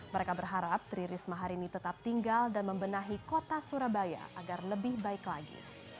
mereka berharap tri risma hari ini tetap tinggal dan membenahi kota surabaya agar lebih baik lagi